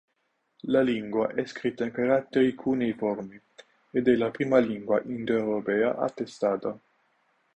La lingua è scritta in caratteri cuneiformi ed è la prima lingua indoeuropea attestata.